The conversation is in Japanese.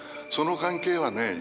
その関係はね